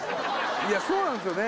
いやそうなんすよね